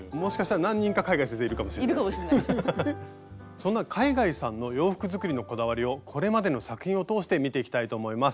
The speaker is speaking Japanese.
そんな海外さんの洋服作りのこだわりをこれまでの作品を通して見ていきたいと思います。